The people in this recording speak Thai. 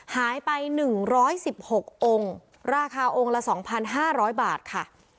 หายไปหนึ่งร้อยสิบหกองค์ราคาองค์ละสองพันห้าร้อยบาทค่ะ